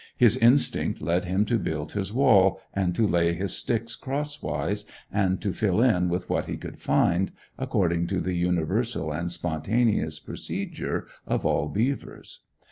His instinct led him to build his wall, and to lay his sticks crosswise, and to fill in with what he could find, according to the universal and spontaneous procedure of all beavers.